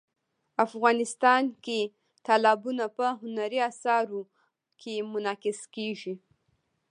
افغانستان کې تالابونه په هنري اثارو کې منعکس کېږي.